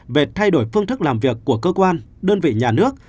về thay đổi phương thức làm việc của cơ quan đơn vị nhà nước